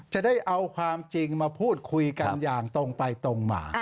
จะได้เอาความจริงมาพูดคุยกันอย่างตรงไปตรงมา